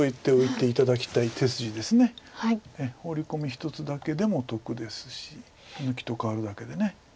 ホウリコミ１つだけでも得ですし抜きと換わるだけでね。